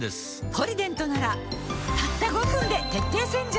「ポリデント」ならたった５分で徹底洗浄